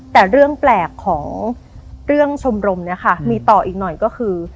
แต่เรื่องแปลกของเรื่องชมรมเนี่ยค่ะมีต่ออีกหน่อยก็คือ